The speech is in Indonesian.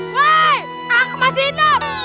woy aku masih hidup